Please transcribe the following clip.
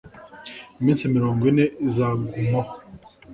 iminsi mirongo ine izagumaho,